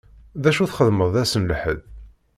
D acu txeddmeḍ ass n lḥedd?